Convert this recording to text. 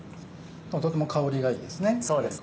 とても香りがいいですね。